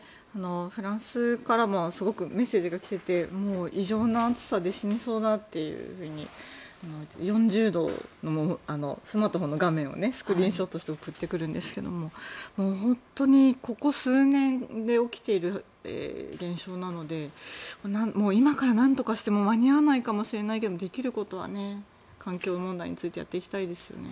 フランスからもすごくメッセージが来ていてもう異常な暑さで死にそうだというふうに４０度というスマートフォンの画面をスクリーンショットして送ってくるんですが本当にここ数年で起きている現象なので今からなんとかしても間に合わないかもしれないけどできることは、環境問題についてやっていきたいですよね。